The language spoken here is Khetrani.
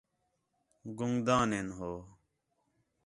گُنگ دان ہین ہو